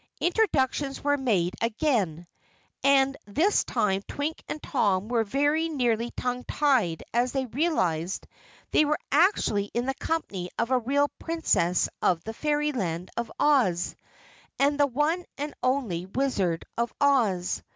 Introductions were made again, and this time Twink and Tom were very nearly tongue tied as they realized they were actually in the company of a real Princess of the Fairyland of Oz, and the one and only Wizard of Oz.